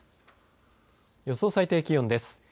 予想最低気温です。